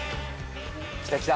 来た来た。